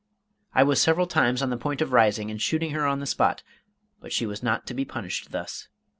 I was several times on the point of rising and shooting her on the spot; but she was not to be punished thus.